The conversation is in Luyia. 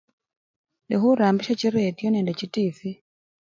Indi khurambisya chiretiyo nende chitivwi.